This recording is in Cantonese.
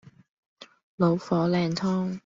老火靚湯